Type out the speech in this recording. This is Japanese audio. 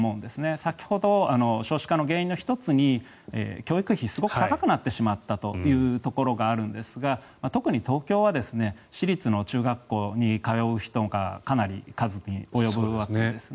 先ほど、少子化の原因の１つに教育費がすごく高くなってしまったというところがあるんですが特に東京は私立の中学校に通う人がかなりの数に及ぶわけですよね。